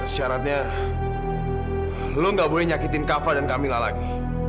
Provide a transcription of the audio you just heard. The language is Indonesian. syaratnya lo nggak boleh nyakitin kafa dan camilla lagi